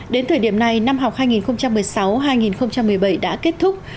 đến thời điểm này năm học hai nghìn một mươi sáu hai nghìn một mươi bảy đã kết thúc